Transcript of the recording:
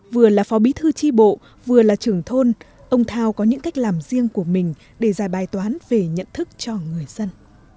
vừa là phó bí thư tri bộ vừa là trưởng thôn ông thao có những cách làm riêng của mình để giải bài toán về nhận thức cho người dân